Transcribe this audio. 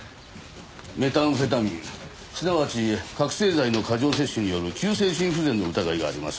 メタンフェタミンすなわち覚醒剤の過剰摂取による急性心不全の疑いがあります。